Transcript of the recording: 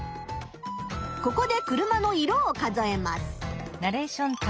ここで車の色を数えます。